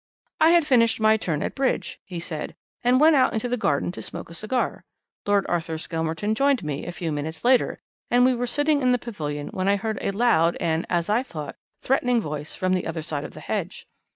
"'I had finished my turn at bridge,' he said, 'and went out into the garden to smoke a cigar. Lord Arthur Skelmerton joined me a few minutes later, and we were sitting in the pavilion when I heard a loud and, as I thought, threatening voice from the other side of the hedge.